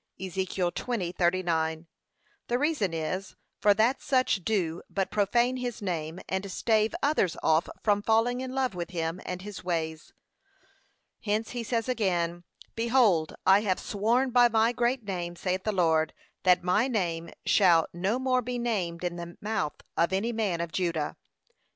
(Ezek. 20:39) The reason is, for that such do but profane his name, and stave others off from falling in love with him and his ways. Hence he says again 'Behold, I have sworn by my great name, saith the Lord, that my name shall no more be named in the mouth of any man of Judah.'